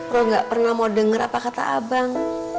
roh gak pernah mau dengar apa kata abang